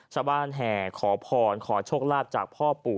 ชาวบ้านแห่ขอพรขอชกลักจากพ่อปู่